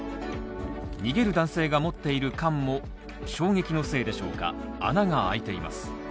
逃げる男性が持っている缶も、衝撃のせいでしょうか、穴が開いています。